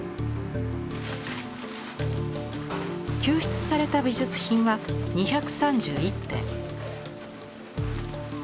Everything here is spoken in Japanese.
救出された美術品は２３１点。